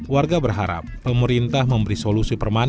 warga berharap pemerintah memberi solusi permanen